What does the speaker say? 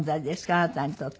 あなたにとって。